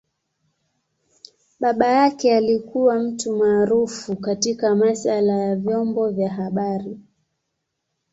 Baba yake alikua mtu maarufu katika masaala ya vyombo vya habari.